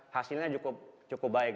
hasilnya cukup baik